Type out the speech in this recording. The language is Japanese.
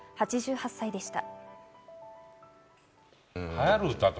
８８歳でした。